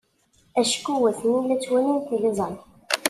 Acku atni la ttwalin tiliẓri.